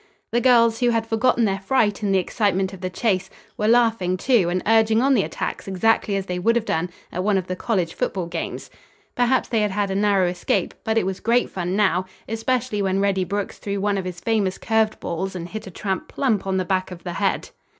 The girls, who had forgotten their fright in the excitement of the chase, were laughing, too, and urging on the attacks exactly as they would have done at one of the college football games. Perhaps they had had a narrow escape, but it was great fun, now, especially when Reddy Brooks threw one of his famous curved balls and hit a tramp plump on the back of the head.